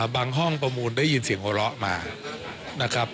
บางห้องประมูลได้ยินเสียงหัวเราะมานะครับ